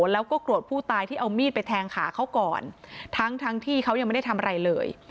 แล้วก็โกรธผู้ตายที่เอามีดไปแทงขาเขาก่อนทั้งทั้งที่เขายังไม่ได้ทำอะไรเลย